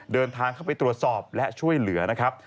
เดินทางเข้าไปตรวจสอบและช่วยเหลือนะครับ